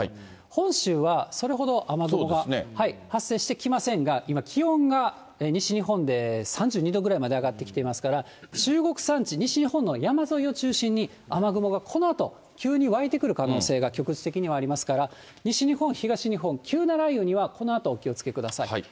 本州はそれほど雨雲が発生してきませんが、今、気温が西日本で３２度ぐらいまで上がってきていますから、中国山地、西日本の山沿いを中心に、雨雲がこのあと急に湧いてくる可能性が、局地的にはありますから、西日本、東日本、急な雷雨にはこのあとお気をつけください。